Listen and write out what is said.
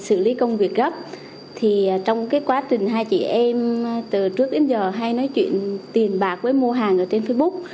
để xử lý công việc thì trong quá trình hai chị em từ trước đến giờ hay nói chuyện tiền bạc với mua hàng trên facebook